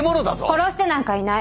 殺してなんかいない。